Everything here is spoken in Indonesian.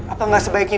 apa gak sebaiknya